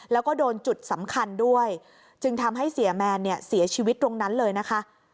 แล้วก็โดนจุดสำคัญด้วยจึงทำให้เสียแมนเนี่ยเสียชีวิตตรงนั้นเลยนะคะ